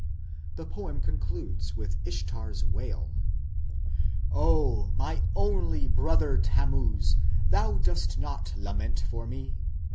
The poem concludes with Ishtar's wail: O my only brother (Tammuz) thou dost not lament for me.